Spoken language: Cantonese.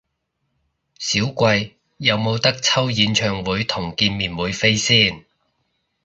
少貴，有無得抽演唱會同見面會飛先？